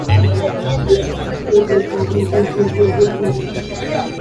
Sus actividades principales son el fútbol, básquet y hockey.